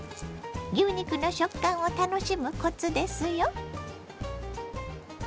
牛肉の食感を楽しむコツですよ。